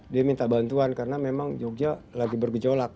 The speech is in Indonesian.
dia minta bantuan karena memang jogja lagi bergejolak